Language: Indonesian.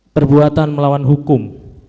perbuatan melawan hukum